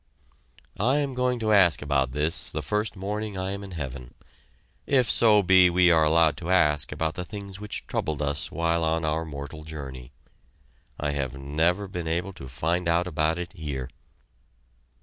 I am going to ask about this the first morning I am in heaven, if so be we are allowed to ask about the things which troubled us while on our mortal journey. I have never been able to find out about it here.